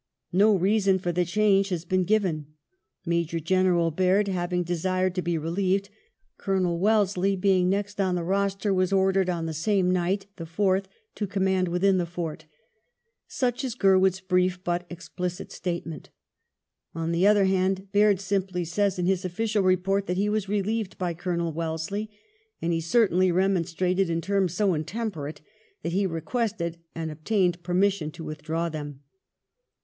No reason for the change has been given. " Major General Baird, having desired to be relieved. Colonel Wellesley being next on the roster, was ordered on the same night [the 4th] to command within the fort;" such is Gurwood's brief but explicit statement. On the other hand Baird simply says in his official report that he was relieved by Colonel Wellesley, and he certainly remonstrated in terms so intemperate that he requested and obtained permission to withdraw them.